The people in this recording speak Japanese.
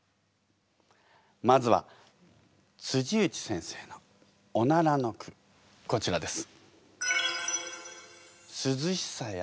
まずは内先生の「おなら」の句こちらです。